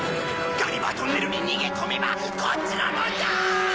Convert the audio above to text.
ガリバートンネルに逃げ込めばこっちのもんだー！